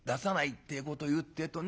ってえことを言うってえとね